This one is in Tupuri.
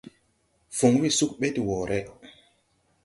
Fuŋ we sug ɓɛ de wɔɔre.